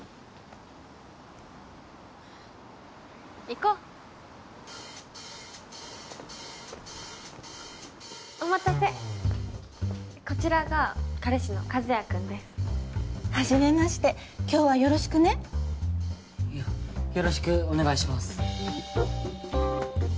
行こうお待たせこちらが彼氏の和也くんですはじめまして今日はよろしくねよよろしくお願いします